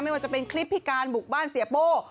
ว่าจะเป็นคลิปพิการบุกบ้านเสียโป้